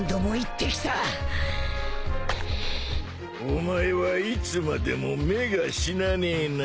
お前はいつまでも目が死なねえな。